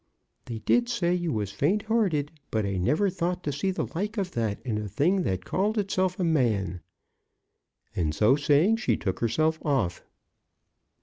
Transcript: They did say you was faint hearted, but I never thought to see the like of that in a thing that called itself a man." And so saying, she took herself off.